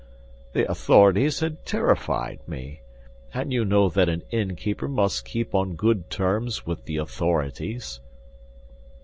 The authorities had terrified me, and you know that an innkeeper must keep on good terms with the authorities."